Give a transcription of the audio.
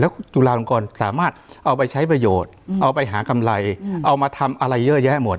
จุฬาลงกรสามารถเอาไปใช้ประโยชน์เอาไปหากำไรเอามาทำอะไรเยอะแยะหมด